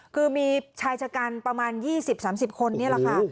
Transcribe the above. คือมีชายชะกันประมาณ๒๐๓๐คนนี่แหละค่ะ